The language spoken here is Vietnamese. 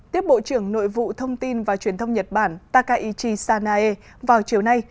tiếp bộ trưởng nội vụ thông tin và truyền thông nhật bản takaichi sanae vào chiều nay